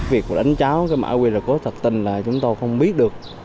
việc đánh cháo cái mã qr code thật tình là chúng tôi không biết được